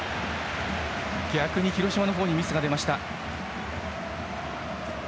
逆に広島の方にミスが出ました。